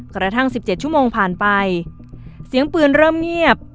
กระทั่ง๑๗ชั่วโมงผ่านไปเสียงปืนเริ่มเงียบ